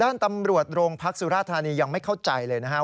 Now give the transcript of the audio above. ด้านตำรวจโรงพักสุราธานียังไม่เข้าใจเลยนะครับ